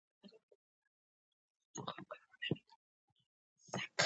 په نننۍ زمانه کې پر محلي سیسټمونو سربېره نړیوال سیسټمونه هم شته.